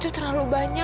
itu terlalu banyak